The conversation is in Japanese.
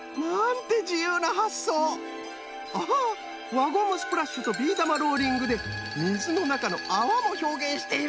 輪ゴムスプラッシュとビー玉ローリングでみずのなかのあわもひょうげんしているのね！